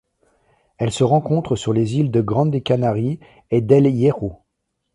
Elle se rencontre sur les îles de Grande Canarie et d'El Hierro.